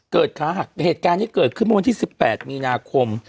เกิดขาหักเหตุการณ์นี้เกิดขึ้นวันที่๑๘มีนาคม